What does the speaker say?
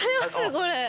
これ。